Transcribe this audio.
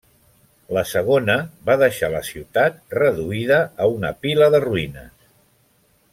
La segona va deixar la ciutat reduïda a una pila de ruïnes.